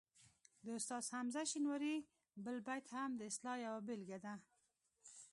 د استاد حمزه شینواري بل بیت هم د اصطلاح یوه بېلګه لري